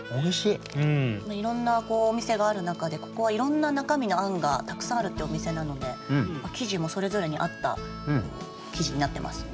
いろんなお店がある中でここはいろんな中身のあんがたくさんあるってお店なので生地もそれぞれに合った生地になってますよね。